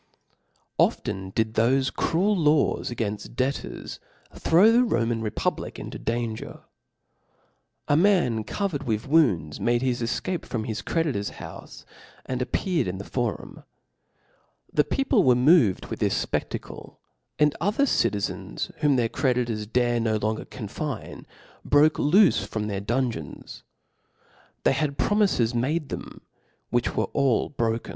Often did thoie cruel laws againft debtors throw the Roma(n republic into danger. A num. ^1 covered with wounds made his efcape from his ccedkcfr's (") z>itf»^.houic, and appeared in the forum (").. Tlte peo R^!*An. P'^ ^^^^ moved with this ipeftacle, and other cki booji #« zens whom their creditors durft ^Q longer confine, broke loofc from iheir dungeons. They had pro * miies made thenn whkch were all broke.